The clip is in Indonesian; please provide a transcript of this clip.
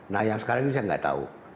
nah yang sekarang ini saya nggak tahu